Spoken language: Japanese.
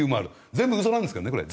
全部嘘なんですけどねこれ。